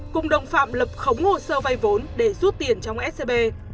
cùng đồng phạm lập khống hồ sơ vay vốn để rút tiền trong scb